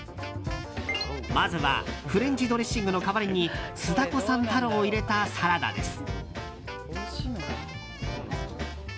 まずはフレンチドレッシングの代わりに酢だこさん太郎を入れたサラダです。